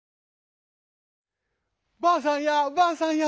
「ばあさんやばあさんや！